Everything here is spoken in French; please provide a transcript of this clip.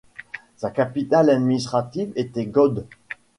Sa capitale administrative était Gode.